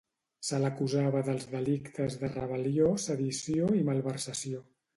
Se l'acusava dels delictes de rebel·lió, sedició i malversació.